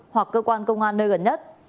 hoặc cơ quan công an nơi gần nhất